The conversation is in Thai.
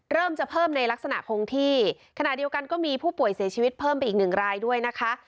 เริ่มจะเพิ่มในลักษณะคงที่ขณะเดียวกันก็มีผู้ป่วยเสียชีวิตเพิ่มไปอีกหนึ่งรายด้วยนะคะ